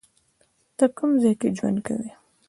ته کوم ځای کې ژوند کوی؟